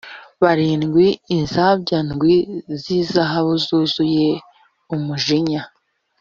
barindwi inzabya ndwi z izahabu zuzuye umujinya